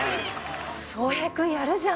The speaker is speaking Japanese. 翔平君、やるじゃん。